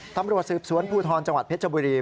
ตำรวจสืบสวนภูทรจังหวัดเพชรบุรี